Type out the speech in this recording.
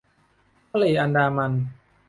ทะเลอันดามัน